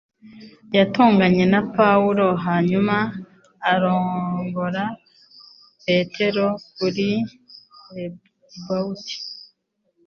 Yatonganye na Pawulo hanyuma arongora Petero kuri repound